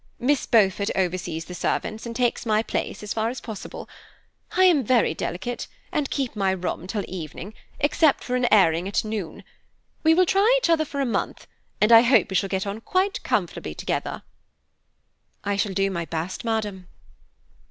Miss Beaufort oversees the servants, and takes my place as far as possible. I am very delicate and keep my room till evening, except for an airing at noon. We will try each other for a month, and I hope we shall get on quite comfortably together." "I shall do my best, madam."